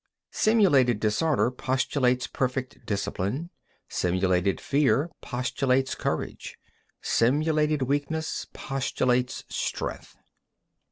17. Simulated disorder postulates perfect discipline; simulated fear postulates courage; simulated weakness postulates strength.